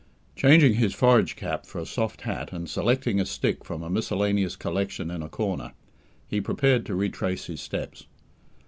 Changing his forage cap for a soft hat, and selecting a stick from a miscellaneous collection in a corner, he prepared to retrace his steps.